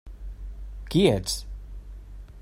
Qui ets?